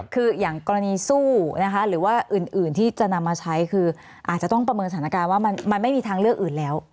คืออย่างกรณีสู้นะคะหรือว่าอื่นที่จะนำมาใช้คืออาจจะต้องประเมินสถานการณ์ว่ามันไม่มีทางเลือกอื่นแล้ว